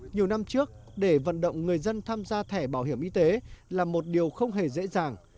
nhiều năm trước để vận động người dân tham gia thẻ bảo hiểm y tế là một điều không hề dễ dàng